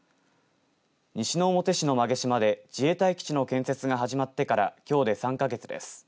西之表市の馬毛島で自衛隊基地の建設が始まってからきょうで３か月です。